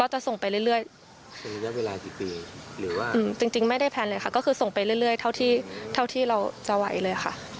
จริงไม่ได้แพลนเลยค่ะก็คือส่งไปเรื่อยเท่าที่เราจะไหวเลยค่ะ